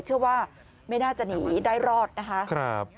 เชื่อว่าไม่น่าจะหนีได้รอดนะคะ